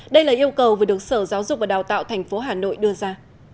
đây là yêu cầu vừa được sở giáo dục và đào tạo tp hà nội đưa ra